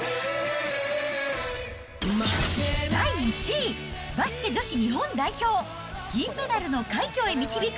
第１位、バスケ女子日本代表、銀メダルの快挙へ導く！